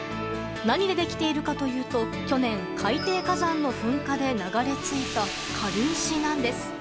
何でできているかというと去年、海底火山の噴火で流れ着いた軽石なんです。